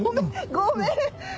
ごめん！